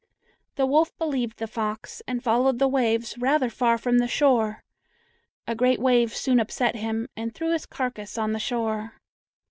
The wolf believed the fox, and followed the waves rather far from the shore. A great wave soon upset him, and threw up his carcass on the shore.